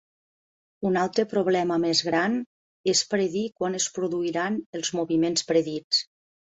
Un altre problema més gran és predir quan es produiran els moviments predits.